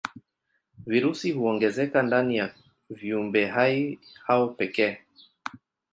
Virusi huongezeka ndani ya viumbehai hao pekee.